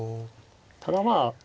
ただまあ